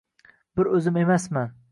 Bir o‘zim emasman.